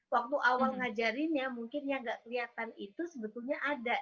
waktu awal ngajarinnya mungkin yang gak kelihatan itu sebetulnya ada